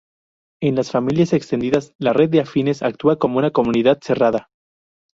En las familias extendidas, la red de afines actúa como una comunidad cerrada.